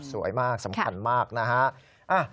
สวยมากสำคัญมากนะฮะ